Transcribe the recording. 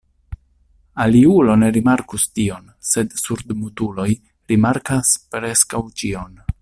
Aliulo ne rimarkus tion, sed surdmutuloj rimarkas preskaŭ ĉion.